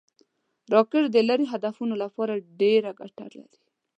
راکټ د لرې هدفونو لپاره ډېره ګټه لري